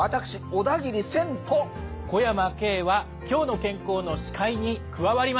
小山径は「きょうの健康」の司会に加わります。